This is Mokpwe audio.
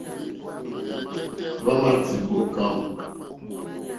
Hwámà tìmbá ô kâmp.